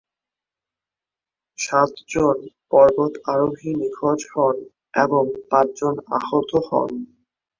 সাতজন পর্বতারোহী নিখোঁজ হন এবং দশজন আহত হন।